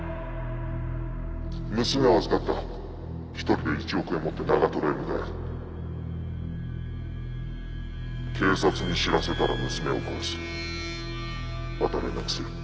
「娘を預かった」「１人で１億円を持って長へ向かえ」「警察に知らせたら娘を殺す」「また連絡する」